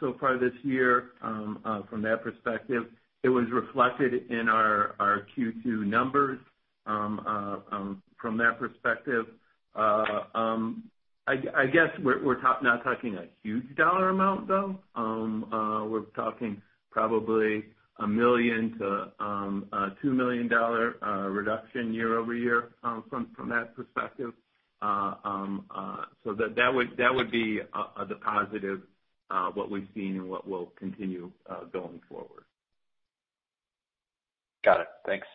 so far this year from that perspective. It was reflected in our Q2 numbers from that perspective. I guess we're not talking a huge dollar amount, though. We're talking probably a $1 million-$2 million reduction year-over-year from that perspective. That would be the positive, what we've seen and what we'll continue going forward. Got it. Thanks.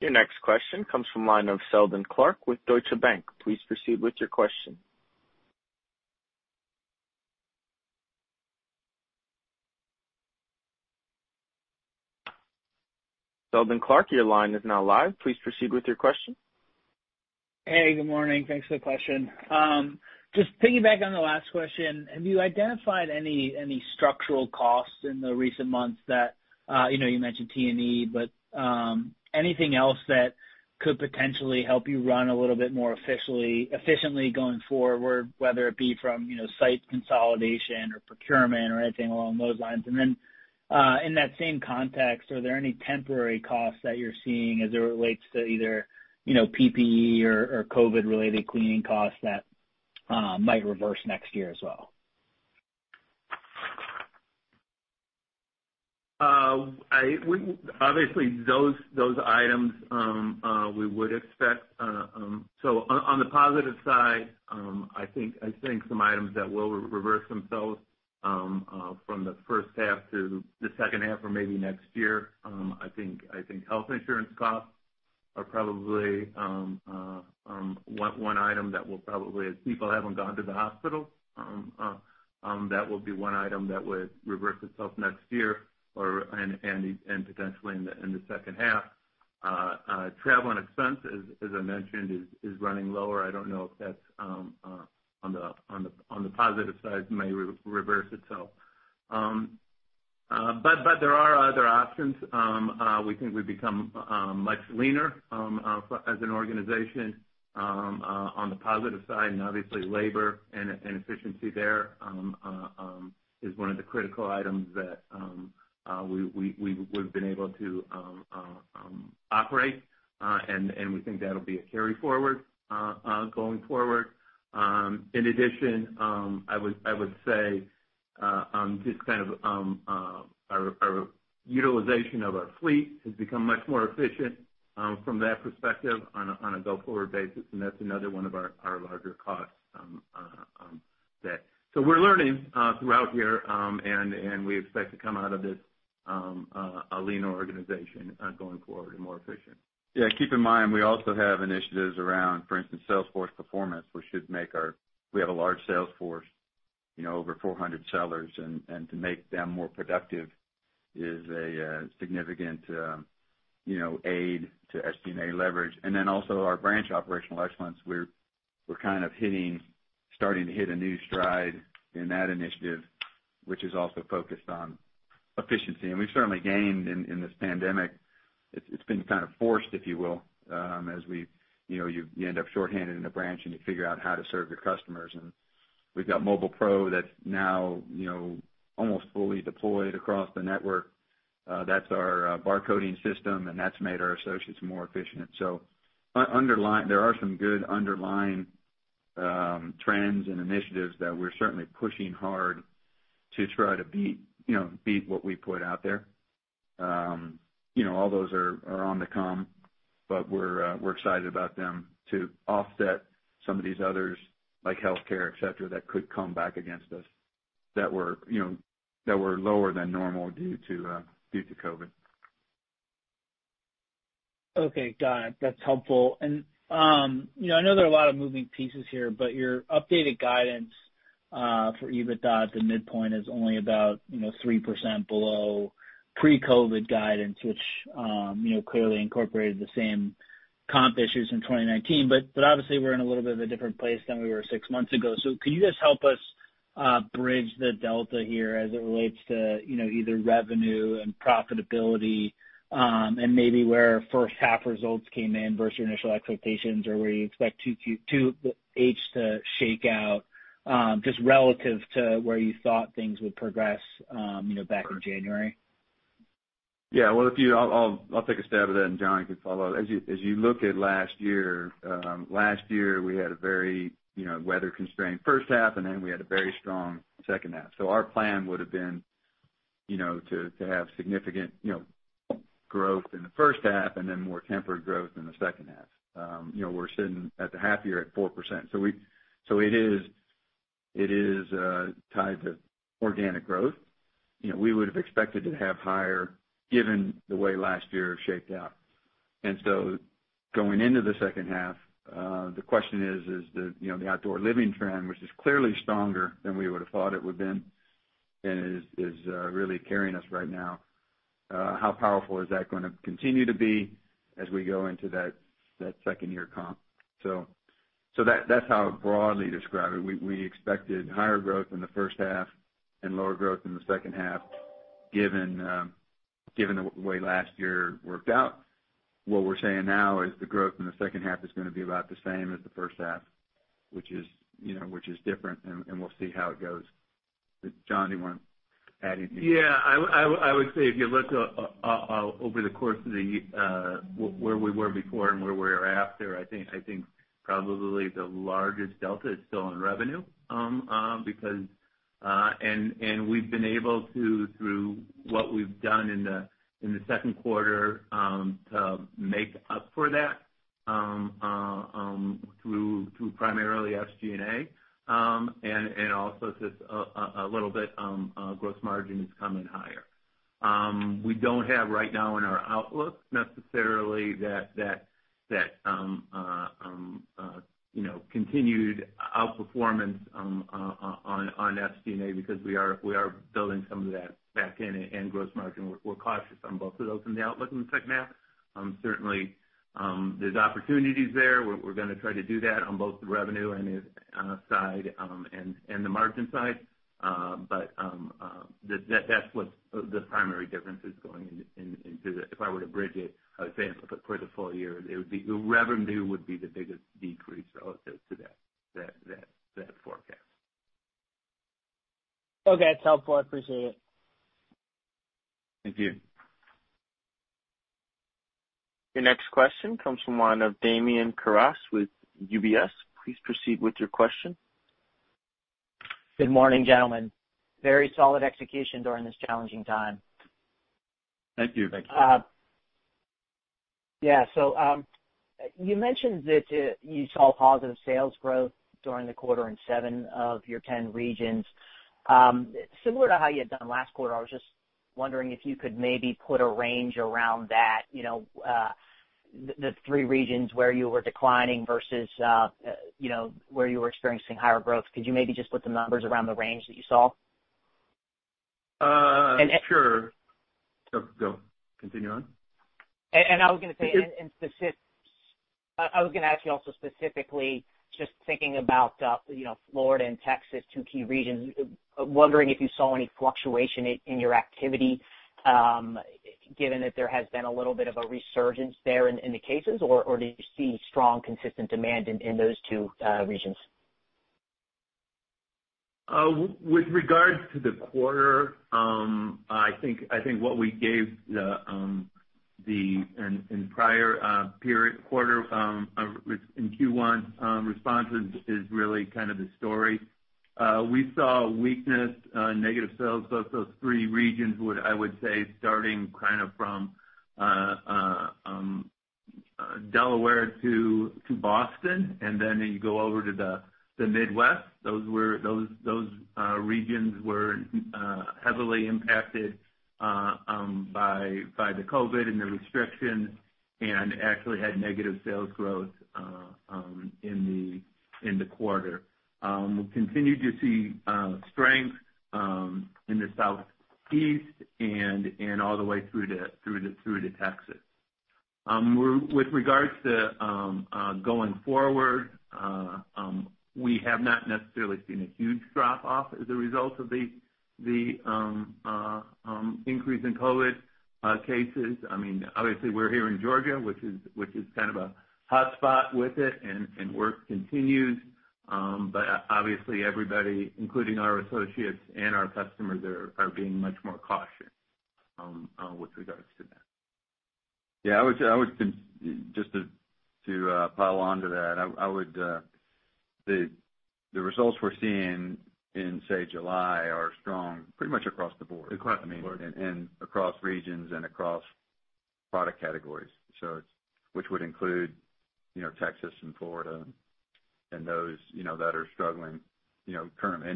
Your next question comes from the line of Seldon Clarke with Deutsche Bank. Please proceed with your question. Seldon Clarke, your line is now live. Please proceed with your question. Hey, good morning. Thanks for the question. Just piggyback on the last question. Have you identified any structural costs in the recent months that, you mentioned T&E, but anything else that could potentially help you run a little bit more efficiently going forward, whether it be from site consolidation or procurement or anything along those lines? In that same context, are there any temporary costs that you're seeing as it relates to either PPE or COVID-related cleaning costs that might reverse next year as well? Obviously, those items we would expect. On the positive side, I think some items that will reverse themselves from the first half to the second half or maybe next year. I think health insurance costs are probably one item that will probably, as people haven't gone to the hospital, that will be one item that would reverse itself next year and potentially in the second half. Travel and expense, asI mentioned, is running lower. I don't know if that's on the positive side may reverse itself. There are other options. We think we've become much leaner as an organization on the positive side. Obviously labor and efficiency there is one of the critical items that we've been able to operate, and we think that'll be a carry forward going forward. In addition, I would say, just kind of our utilization of our fleet has become much more efficient from that perspective on a go-forward basis, That's another one of our larger costs. We're learning throughout here, and we expect to come out of this a leaner organization going forward and more efficient. Yeah, keep in mind, we also have initiatives around, for instance, sales force performance. We have a large sales force, over 400 sellers, and to make them more productive is a significant aid to SG&A leverage. Also our branch operational excellence, we're kind of starting to hit a new stride in that initiative, which is also focused on efficiency. We've certainly gained in this pandemic. It's been kind of forced, if you will, as you end up shorthanded in a branch, and you figure out how to serve your customers. We've got Mobile PRO that's now almost fully deployed across the network. That's our barcoding system, and that's made our associates more efficient. There are some good underlying trends and initiatives that we're certainly pushing hard to try to beat what we put out there. All those are on to come, but we're excited about them to offset some of these others like healthcare, et cetera, that could come back against us that were lower than normal due to COVID. Okay. Got it. That's helpful. I know there are a lot of moving pieces here, but your updated guidance for EBITDA at the midpoint is only about 3% below pre-COVID guidance, which clearly incorporated the same comp issues in 2019. Obviously, we're in a little bit of a different place than we were six months ago. Could you just help us bridge the delta here as it relates to either revenue and profitability and maybe where first half results came in versus your initial expectations, or where you expect H2 to shake out just relative to where you thought things would progress back in January? Well, I'll take a stab at that, and John can follow. As you look at last year, last year we had a very weather-constrained first half, and then we had a very strong second half. Our plan would've been to have significant growth in the first half and then more tempered growth in the second half. We're sitting at the half year at 4%. It is tied to organic growth. We would've expected to have higher given the way last year shaped out. Going into the second half, the question is, the outdoor living trend, which is clearly stronger than we would've thought it would've been and is really carrying us right now, how powerful is that going to continue to be as we go into that second year comp? That's how I'd broadly describe it. We expected higher growth in the first half and lower growth in the second half given the way last year worked out. What we're saying now is the growth in the second half is going to be about the same as the first half, which is different, and we'll see how it goes. John, do you want to add anything? Yeah. I would say if you look over the course of where we were before and where we're at after, I think probably the largest delta is still in revenue. We've been able to, through what we've done in the second quarter, to make up for that through primarily SG&A and also just a little bit gross margin is coming higher. We don't have right now in our outlook necessarily that continued outperformance on SG&A because we are building some of that back in and gross margin. We're cautious on both of those in the outlook in the second half. Certainly, there's opportunities there. We're going to try to do that on both the revenue side and the margin side. That's what the primary difference is going into. If I were to bridge it, I would say for the full-year, revenue would be the biggest decrease relative to that forecast. Okay. That's helpful. I appreciate it. Thank you. Your next question comes from one of Damian Karas with UBS. Please proceed with your question. Good morning, gentlemen. Very solid execution during this challenging time. Thank you. Thank you. You mentioned that you saw positive sales growth during the quarter in 10 of your 15 regions. Similar to how you had done last quarter, I was just wondering if you could maybe put a range around that, the three regions where you were declining versus where you were experiencing higher growth. Could you maybe just put some numbers around the range that you saw? Sure. Go. Continue on. I was going to ask you also specifically, just thinking about Florida and Texas, two key regions, wondering if you saw any fluctuation in your activity given that there has been a little bit of a resurgence there in the cases, or do you see strong, consistent demand in those two regions? With regards to the quarter, I think what we gave the in prior period quarter, in Q1, responses is really kind of the story. We saw weakness, negative sales, both those three regions would, I would say, starting kind of from Delaware to Boston, and then you go over to the Midwest. Those regions were heavily impacted by the COVID and the restrictions, and actually had negative sales growth in the quarter. We continued to see strength in the Southeast and all the way through to Texas. With regards to going forward, we have not necessarily seen a huge drop-off as a result of the increase in COVID cases. I mean, obviously we're here in Georgia, which is kind of a hotspot with it, and work continues. Obviously everybody, including our associates and our customers are being much more cautious with regards to that. Yeah, I would say, Just to pile on to that. The results we're seeing in, say, July, are strong pretty much across the board. Across the board. Across regions and across product categories. Which would include, you know, Texas and Florida and those, you know, that are struggling, you know,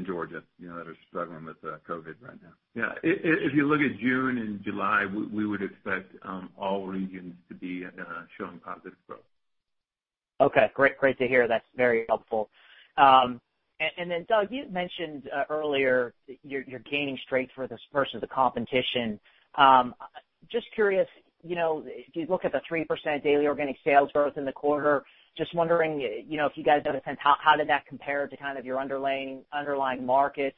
Georgia, you know, that are struggling with COVID right now. Yeah. If you look at June and July, we would expect all regions to be showing positive growth. Okay, great to hear. That's very helpful. Then Doug, you mentioned earlier that you're gaining strength versus the competition. Just curious, you know, if you look at the 3% daily organic sales growth in the quarter, just wondering, you know, if you guys have a sense, how did that compare to kind of your underlying markets?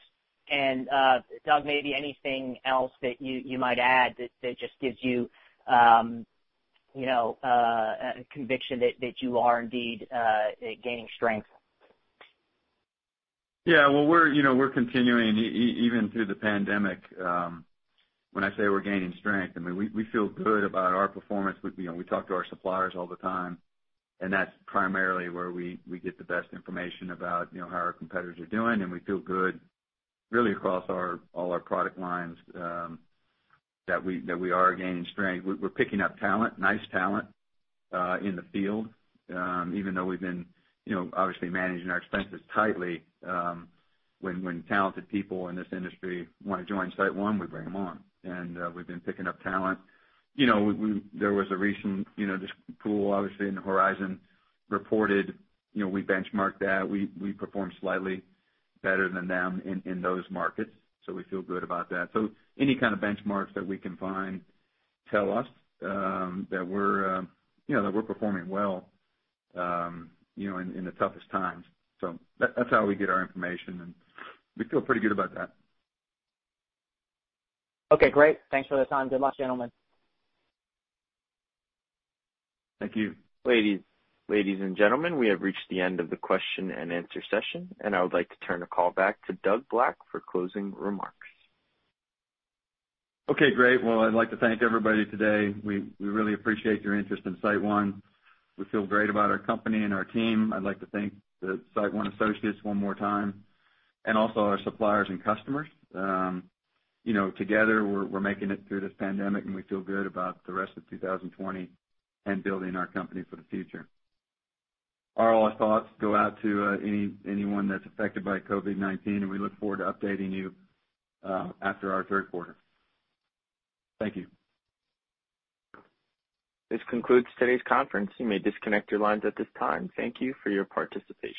Doug, maybe anything else that you might add that just gives you know, a conviction that you are indeed gaining strength. Yeah. Well, we're, you know, we're continuing even through the pandemic, when I say we're gaining strength, I mean, we feel good about our performance. We, you know, we talk to our suppliers all the time, and that's primarily where we get the best information about, you know, how our competitors are doing, and we feel good really across our, all our product lines that we are gaining strength. We're picking up talent, nice talent, in the field. Even though we've been, you know, obviously managing our expenses tightly, when talented people in this industry wanna join SiteOne, we bring them on. We've been picking up talent. You know, there was a recent, you know, just Pool, obviously and Horizon reported, you know, we benchmarked that. We performed slightly better than them in those markets, so we feel good about that. Any kind of benchmarks that we can find tell us, that we're, you know, that we're performing well, you know, in the toughest times. That's how we get our information, and we feel pretty good about that. Okay, great. Thanks for the time. Good luck, gentlemen. Thank you. Ladies and gentlemen, we have reached the end of the question-and-answer session, I would like to turn the call back to Doug Black for closing remarks. Okay, great. Well, I'd like to thank everybody today. We really appreciate your interest in SiteOne. We feel great about our company and our team. I'd like to thank the SiteOne associates one more time, and also our suppliers and customers. You know, together we're making it through this pandemic, and we feel good about the rest of 2020 and building our company for the future. Our thoughts go out to anyone that's affected by COVID-19, and we look forward to updating you after our third quarter. Thank you. This concludes today's conference. You may disconnect your lines at this time. Thank you for your participation.